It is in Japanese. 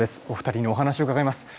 お二人にお話をうかがいます。